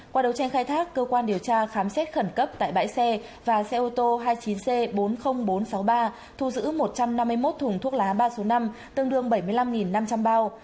qua đấu tranh khai thác cơ quan điều tra khám xét khẩn cấp tại bãi xe và xe ô tô hai mươi chín c bốn mươi nghìn bốn trăm sáu mươi ba thu giữ một trăm năm mươi một thùng thuốc lá ba số năm tương đương bảy mươi năm năm trăm linh bao